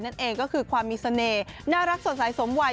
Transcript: นั่นเองก็คือความมีเสน่ห์น่ารักสดใสสมวัย